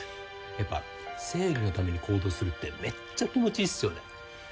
やっぱ正義のために行動するってめっちゃ気持ちいいっすよね。